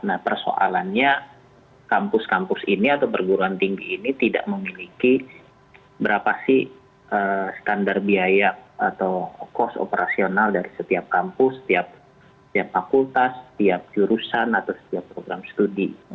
nah persoalannya kampus kampus ini atau perguruan tinggi ini tidak memiliki berapa sih standar biaya atau cost operasional dari setiap kampus setiap fakultas tiap jurusan atau setiap program studi